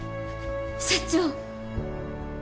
社長！